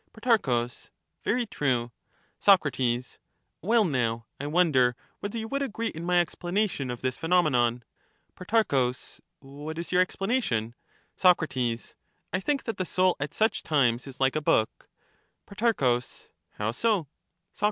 Pro, Very true. Soc, Well, now, I wonder whether you would agree in my explanation of this phenomenon. Pro, What is your explanation ? Soc, I think that the soul at such times is like a book. Pro, How so